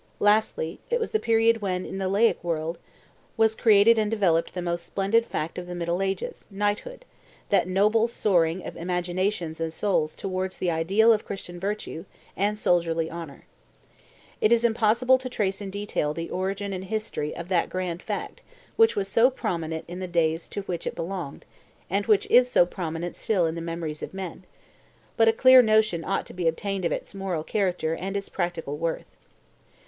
Lastly, it was the period when, in the laic world, was created and developed the most splendid fact of the middle ages, knighthood, that noble soaring of imaginations and souls towards the ideal of Christian virtue and soldierly honor. It is impossible to trace in detail the origin and history of that grand fact which was so prominent in the days to which it belonged, and which is so prominent still in the memories of men; but a clear notion ought to be obtained of its moral character and its practical worth.